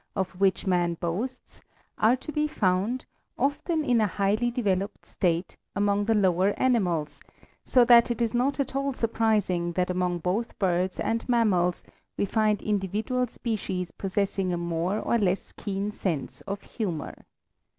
of which man boasts, are to be found, often in a highly developed state, among the lower animals, so that it is not at all surprising that among both birds and mammals we find individual species possessing a more or less keen sense of humor.